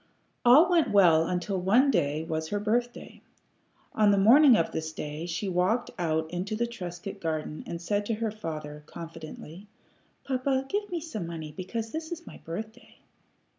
All went well until one day was her birthday. On the morning of this day she walked out into the Trescott garden and said to her father, confidently, "Papa, give me some money, because this is my birthday."